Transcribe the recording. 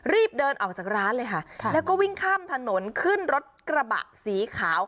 รีบเดินออกจากร้านเลยค่ะแล้วก็วิ่งข้ามถนนขึ้นรถกระบะสีขาว